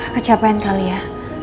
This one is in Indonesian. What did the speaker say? kecapain kali ya